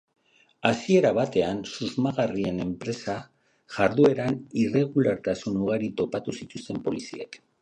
Hasiera batean, susmagarrien enpresa jardueran irregulartasun ugari topatu zituzten poliziek.